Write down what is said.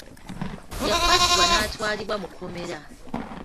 Yakwatibwa n'atwalibwa mu kkomera.